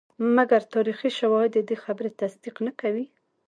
مګر تاریخي شواهد ددې خبرې تصدیق نه کوي.